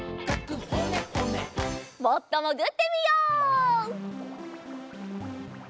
もっともぐってみよう。